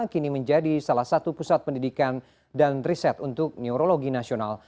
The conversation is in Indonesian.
kini menjadi salah satu pusat pendidikan dan riset untuk neurologi nasional